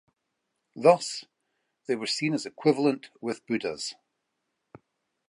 Thus, they were seen as equivalent with Buddhas.